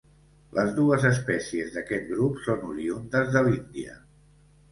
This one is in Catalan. Les dues espècies d'aquest grup són oriündes de l'Índia.